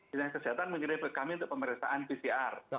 penyelidikan kesehatan menyerahkan kami untuk pemerintahan pcr